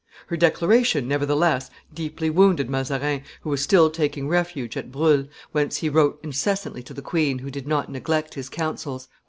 Her declaration, nevertheless, deeply wounded Mazarin, who was still taking refuge at Bruhl, whence he wrote incessantly to the queen, who did not neglect his counsels.